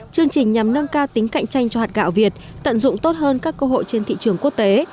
chương trình nhằm nâng cao tính cạnh tranh cho hạt gạo việt tận dụng tốt hơn các cơ hội trên thị trường quốc tế